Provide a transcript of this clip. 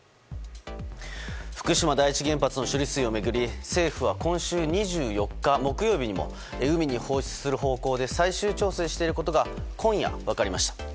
福島第一原発の処理水を巡り政府は今秋２４日木曜日にも、海に放出する方向で最終調整していることが今夜、分かりました。